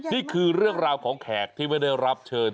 นี่คือเรื่องราวของแขกที่ไม่ได้รับเชิญ